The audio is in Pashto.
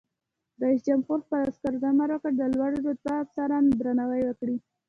رئیس جمهور خپلو عسکرو ته امر وکړ؛ د لوړ رتبه افسرانو درناوی وکړئ!